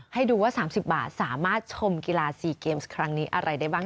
ให้ดูว่า๓๐บาทสามารถชมกีฬา๔เกมส์ครั้งนี้อะไรได้บ้าง